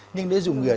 nhưng để dùng người